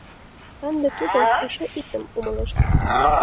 Ынде тудо эше иктым умылыш.